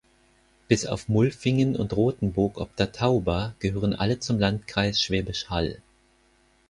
Bis auf Mulfingen und Rothenburg ob der Tauber gehören alle zum Landkreis Schwäbisch Hall.